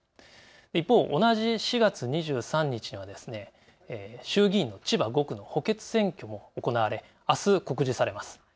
一方、同じ４月２３日には衆議院千葉５区の補欠選挙も行われ、あす告示されます。